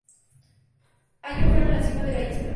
Hay un faro en la cima de la isla.